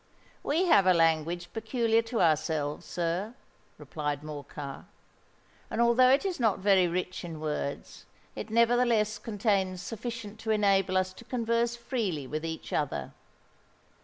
"We have a language peculiar to ourselves, sir," replied Morcar; "and although it is not very rich in words, it nevertheless contains sufficient to enable us to converse freely with each other.